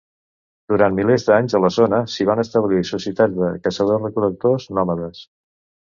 Durant milers d'anys a la zona s'hi van establir societats de caçadors-recol·lectors nòmades.